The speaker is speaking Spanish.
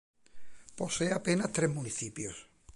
Posee apenas tres municipios.